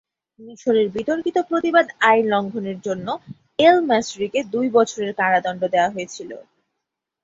মিশরের বিতর্কিত প্রতিবাদ আইন লঙ্ঘনের জন্য এল-ম্যাসরিকে দুই বছরের কারাদণ্ড দেওয়া হয়েছিল।